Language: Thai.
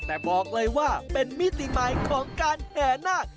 แต่บอกเลยว่าเป็นมิติใหม่ของการแห่นาค